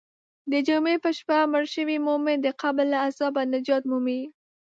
د جمعې په شپه مړ شوی مؤمن د قبر له عذابه نجات مومي.